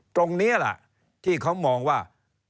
ตรงนี้แหละที่เขามองว่า